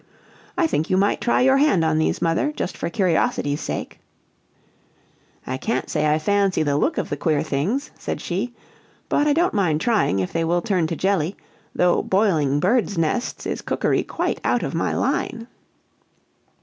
"I think you might try your hand on these, mother, just for curiosity's sake." "I can't say I fancy the look of the queer things," said she, "but I don't mind trying if they will turn to jelly; though boiling birds' nests is cookery quite out of my line."